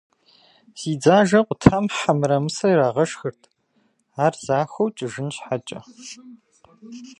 Зи дзажэ къутам хьэ мырамысэ ирагъэшхырт, ар захуэу кӏыжын щхьэкӏэ.